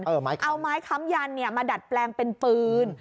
เอาไม้ค้ำยันมาดัดแปลงเป็นปืน